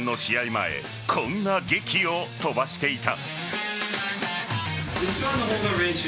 前こんなげきを飛ばしていた。